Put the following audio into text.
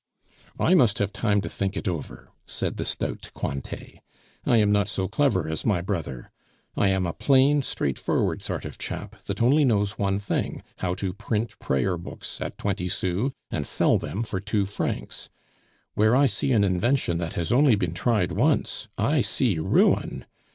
"I must have time to think it over," said the stout Cointet; "I am not so clever as my brother. I am a plain, straight forward sort of chap, that only knows one thing how to print prayer books at twenty sous and sell them for two francs. Where I see an invention that has only been tried once, I see ruin.